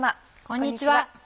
こんにちは。